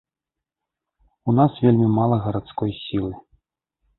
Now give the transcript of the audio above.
У нас вельмі мала гарадской сілы.